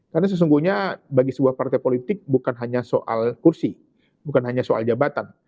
karena sesungguhnya bagi sebuah partai politik bukan hanya soal kursi bukan hanya soal jabatan